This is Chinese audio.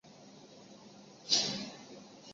圣万桑多拉尔盖。